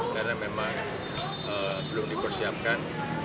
karena memang belum dipersiapkan